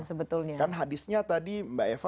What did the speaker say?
sebetulnya kan hadisnya tadi mbak eva